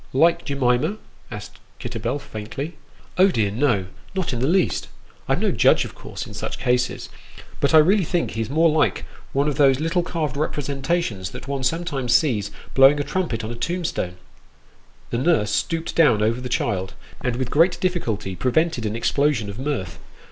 " Like Jemima ?" asked Kitterbell, faintly. " Oh, dear no ; not in the least. I'm no judge, of course, in such cases ; but I really think he's more like one of those little carved representations that one sometimes sees blowing a trumpet on a tomb stone !" The nurse stooped down over the child, and with great difficulty prevented an explosion of mirth.